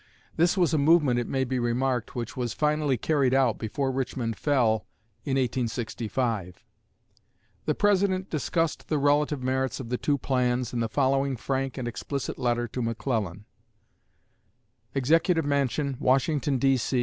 (This was a movement, it may be remarked, which was finally carried out before Richmond fell in 1865.) The President discussed the relative merits of the two plans in the following frank and explicit letter to McClellan: EXECUTIVE MANSION, WASHINGTON, D.C.